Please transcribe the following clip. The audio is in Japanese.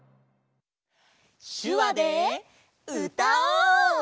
しゅわでうたおう！